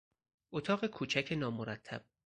اتاق کوچک نامرتب